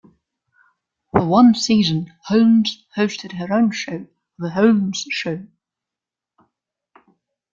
For one season, Holmes hosted her own show, "The Holmes Show".